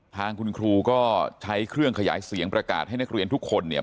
ทางคุณครูก็ใช้เครื่องขยายเสียงประกาศให้นักเรียนทุกคนเนี่ย